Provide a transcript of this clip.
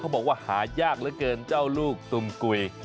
บอกว่าหายากเหลือเกินเจ้าลูกตุมกุย